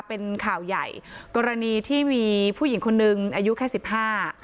เป็นข่าวใหญ่กรณีที่มีผู้หญิงคนนึงอายุแค่สิบห้า